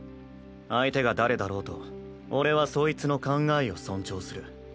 相手が誰だろうと俺はそいつの考えを尊重する。